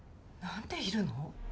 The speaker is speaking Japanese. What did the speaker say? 何でいるの？